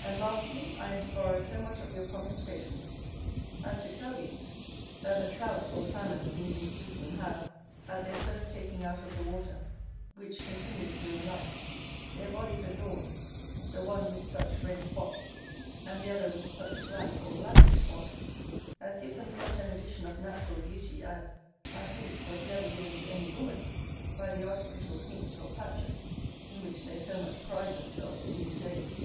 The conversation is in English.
And lastly, I am to borrow so much of your promised patience, as to tell you, that the trout, or Salmon, being in season, have, at their first taking out of the water, which continues during life, their bodies adorned, the one with such red spots, and the other with such black or blackish spots, as give them such an addition of natural beauty as, I think, was never given to any woman by the artificial paint or patches in which they so much pride themselves in this age.